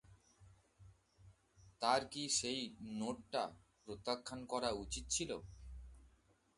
তার কি সেই নোটটা প্রত্যাখ্যান করা উচিত ছিল?